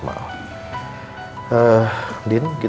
papa dari mana